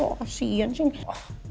oh kasihan sih